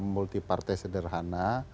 multi partai sederhana